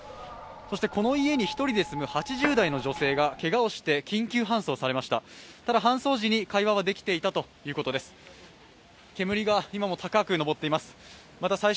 そして、この家に１人で住む８０代の女性がけがをして緊急搬送されました。